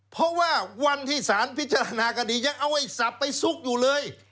เพราะว่าวันที่สารพิจารณาคดียังเอาไอ้สับไปซุกอยู่เลย